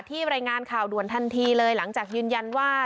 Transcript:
รายงานข่าวด่วนทันทีเลยหลังจากยืนยันว่า